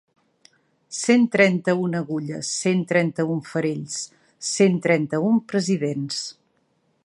Cent trenta-una agulles, cent trenta-un farells, cent trenta-un presidents.